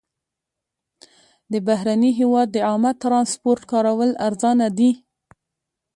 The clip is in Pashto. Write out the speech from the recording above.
د بهرني هېواد د عامه ترانسپورټ کارول ارزانه دي.